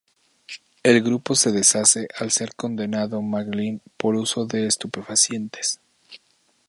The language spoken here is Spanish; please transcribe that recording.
El grupo se deshace al ser condenado McLean por uso de estupefacientes.